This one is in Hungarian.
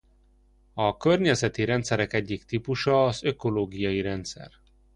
A környezeti rendszerek egyik típusa az ökológiai rendszer.